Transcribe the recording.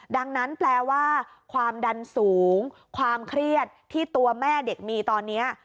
ดังนั้นแปลว่าความดันสูงความเครียดที่ตัวแม่เด็กมีตอนนี้